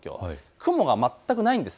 雲がまったくないんです。